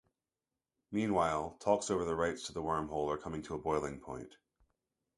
Meanwhile, talks over the rights to the wormhole are coming to a boiling point.